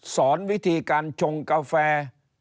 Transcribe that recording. สอนวิธีการชงกาแฟ